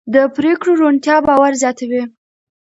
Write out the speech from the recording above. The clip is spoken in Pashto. د پرېکړو روڼتیا باور زیاتوي